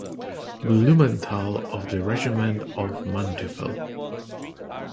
Blumenthal of the Regiment of Manteuffel.